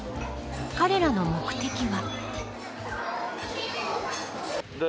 彼らの目的は。